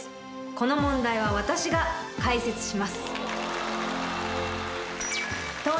この問題は私が解説します。